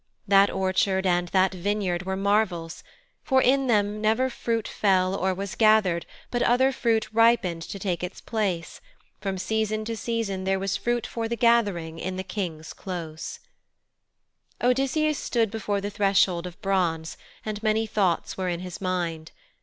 That orchard and that vineyard were marvels, for in them never fruit fell or was gathered but other fruit ripened to take its place; from season to season there was fruit for the gathering in the king's close. Odysseus stood before the threshold of bronze and many thoughts were in his mind.